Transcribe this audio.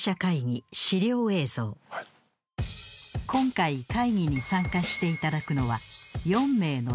［今回会議に参加していただくのは］